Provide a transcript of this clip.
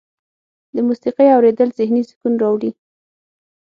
د موسیقۍ اوریدل ذهني سکون راوړي.